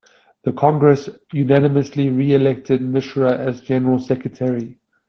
The congress unanimously re-elected Mishra as General Secretary.